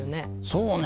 そうね